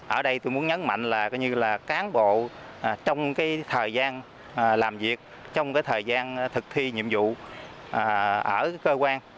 ở đây tôi muốn nhấn mạnh là cán bộ trong thời gian làm việc trong thời gian thực thi nhiệm vụ ở cơ quan